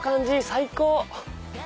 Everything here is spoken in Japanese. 最高！